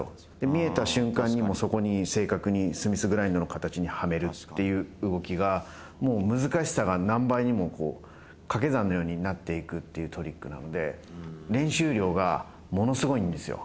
見えた瞬間に、もうそこに正確にスミスグラインドの形にはめるっていう動きが、もう難しさが何倍にも掛け算のようになっていくっていうトリックなので、練習量がものすごいんですよ。